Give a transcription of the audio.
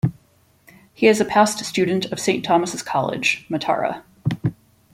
He is a past student of Saint Thomas' College, Matara.